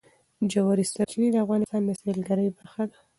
ژورې سرچینې د افغانستان د سیلګرۍ برخه ده.